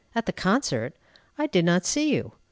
"At the concert! I did not see you."